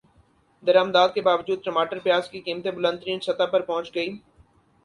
درمدات کے باوجود ٹماٹر پیاز کی قیمتیں بلند ترین سطح پر پہنچ گئیں